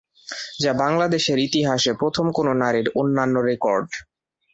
যা বাংলাদেশের ইতিহাসে প্রথম কোন নারীর অন্যান্য রেকর্ড।